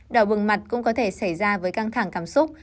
đào bừng mặt cũng có thể xảy ra với căng thẳng cảm xúc